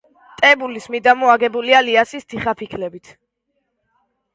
ტებულოს მიდამო აგებულია ლიასის თიხაფიქლებით.